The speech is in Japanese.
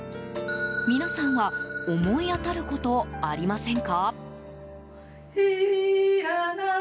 皆さんは思い当たることありませんか？